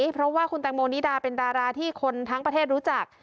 เพราะว่าคุณแตงโมนิดาเป็นดาราที่คนทั้งประเทศรู้จัก